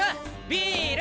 ビール！